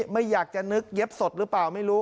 ไม่อยากจะนึกเย็บสดหรือเปล่าไม่รู้